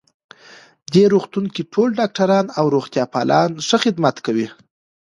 دې روغتون کې ټول ډاکټران او روغتیا پالان ښه خدمت کوی